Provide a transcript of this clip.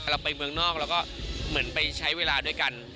เราไปเมืองนอกเราก็เหมือนไปใช้เวลาด้วยกัน